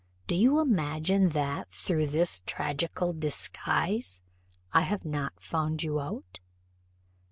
Do you imagine that, through this tragical disguise, I have not found you out?"